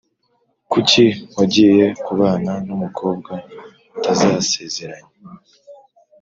kuki wagiye kubana numukobwa mutasezeranye